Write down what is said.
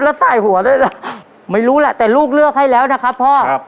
แล้วสายหัวด้วยล่ะไม่รู้แหละแต่ลูกเลือกให้แล้วนะครับพ่อครับ